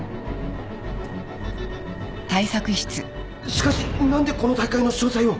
しかし何でこの大会の詳細を？